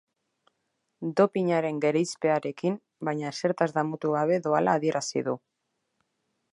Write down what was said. Dopinaren gereizpearekin, baina ezertaz damutu gabe doala adierazi du.